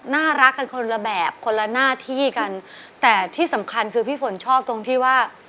น่ารักกันคนละแบบคนละหน้าที่กันแต่ที่สำคัญคือพี่ฝนชอบตรงที่ว่า